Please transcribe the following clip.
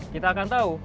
kita akan tahu